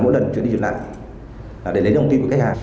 mỗi lần truyền đi truyền lại là để lấy đồng tiền của khách hàng